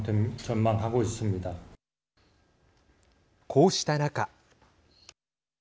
こうした中。